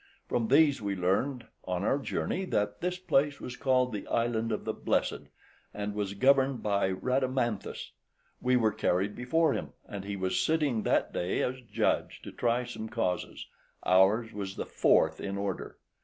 From these we learned, on our journey, that this place was called the Island of the Blessed, {116a} and was governed by Rhadamanthus. We were carried before him, and he was sitting that day as judge to try some causes; ours was the fourth in order.